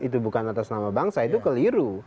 itu bukan atas nama bangsa itu keliru